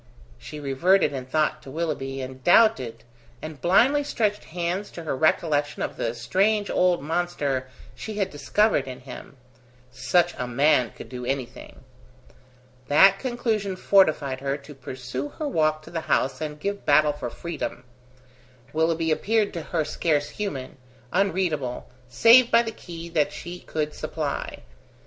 She reverted in thought to Willoughby, and doubted, and blindly stretched hands to her recollection of the strange old monster she had discovered in him. Such a man could do anything. That conclusion fortified her to pursue her walk to the house and give battle for freedom. Willoughby appeared to her scarce human, unreadable, save by the key that she could supply.